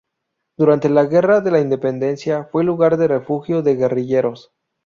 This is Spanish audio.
Durante la Guerra de la Independencia fue lugar de refugio de guerrilleros.